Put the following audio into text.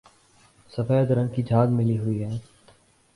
سفید رنگ کی جھاگ ملی ہوئی ہے